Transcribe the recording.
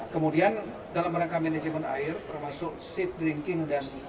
kemudian dalam rangka manajemen air termasuk seat dinking dan